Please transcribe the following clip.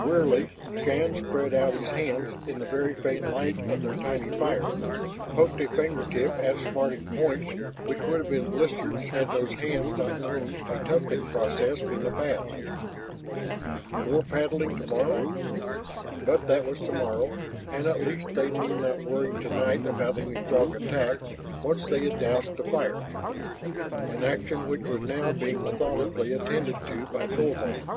Wearily, Shann spread out his hands in the very faint light of their tiny fire, poked with a finger tip at smarting points which would have been blisters had those hands not known a toughening process in the past. More paddling tomorrow? But that was tomorrow, and at least they need not worry tonight about any Throg attack once they had doused the fire, an action which was now being methodically attended to by Thorvald.